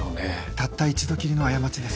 たった一度きりの過ちです。